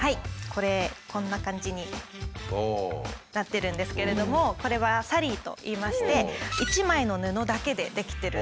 これこんな感じになってるんですけれどもこれは「サリー」といいまして一枚の布だけで出来てるんですね。